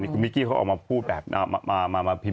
นี่ก็มิกกี้เขาเอามาพูดแบบมาพิมัตินั้น